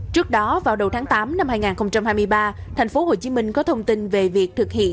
trước đó vào đầu tháng tám năm hai nghìn hai mươi ba tp hcm có thông tin về việc thực hiện